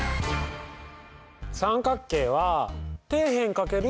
三角形は底辺×高さ÷。